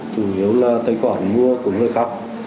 chủ yếu là tài khoản mua của người khác